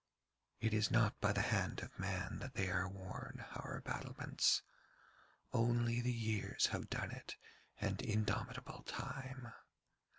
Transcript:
'It is not by the hand of man that they are worn, our battlements. Only the years have done it and indomitable Time.